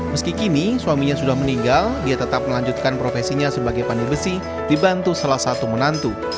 meski kini suaminya sudah meninggal dia tetap melanjutkan profesinya sebagai panir besi dibantu salah satu menantu